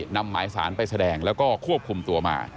นำหมายสารไปแสดงแล้วก็ควบคุมตัวมา